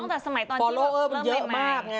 ตั้งแต่สมัยตอนนี้ว่าเริ่มใหม่